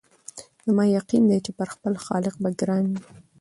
زما یقین دی چي پر خپل خالق به ګران یو